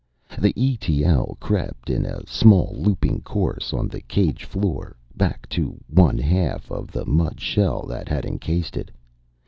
The E.T.L. crept in a small looping course on the cage floor, back to one half of the mud shell that had encased it.